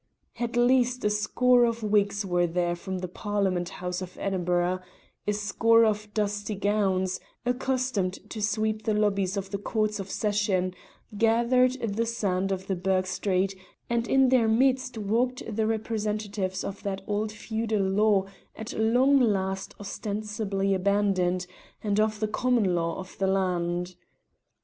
At least a score of wigs were there from the Parliament House of Edinburgh, a score of dusty gowns, accustomed to sweep the lobbies of the Courts of Session, gathered the sand of the burgh street, and in their midst walked the representatives of that old feudal law at long last ostensibly abandoned, and of the common law of the land.